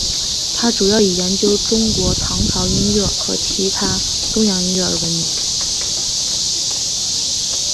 他主要以研究中国唐朝音乐和其他东洋音乐而闻名。